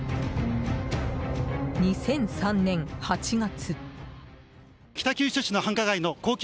２００３年８月。